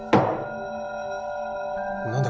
何だ？